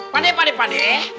padeh padeh padeh